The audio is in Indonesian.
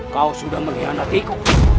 kau sudah melihat hatiku